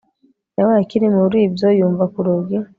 yabaye akiri muribyo yumva kurugi